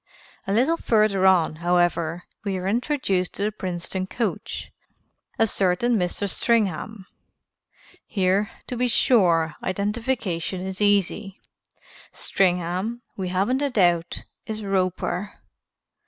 A little further on, however, we are introduced to the Princeton coach, a certain Mr. Stringham. Here, to be sure, identification is easy. Stringham, we haven't a doubt, is Roper.